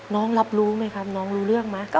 น้องรับรู้ไหมครับน้องรู้เรื่องไหม